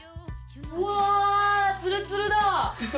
うわツルツルだ。